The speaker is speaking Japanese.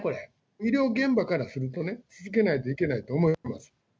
医療現場からすると、続けないといけないと思います。